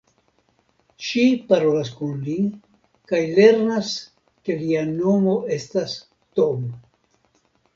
Ŝi parolas kun li kaj lernas ke lia nomo estas Tom.